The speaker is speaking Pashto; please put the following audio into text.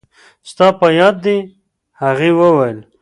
ستا په یاد دي؟ هغې وویل.